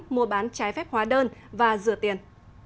mua bán trái phép hóa đơn và rửa tiền